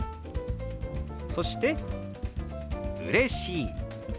そして「うれしい」。